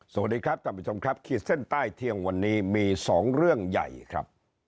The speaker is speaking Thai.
สวัสดีครับท่านผู้ชมครับขีดเส้นใต้เที่ยงวันนี้มีสองเรื่องใหญ่ครับ